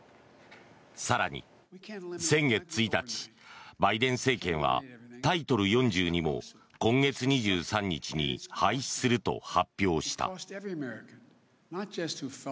更に、先月１日バイデン政権はタイトル４２も今月２３日に廃止すると発表した。